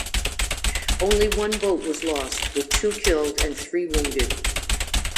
Only one boat was lost, with two killed and three wounded.